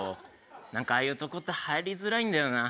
なんかああいうとこって入りづらいんだよな。